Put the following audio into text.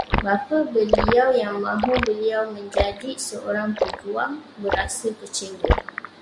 Bapa beliau yang mahu beliau menjadi seorang peguam, berasa kecewa